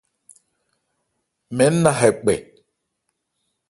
Mɛɛ́n na hɛ kpɛ.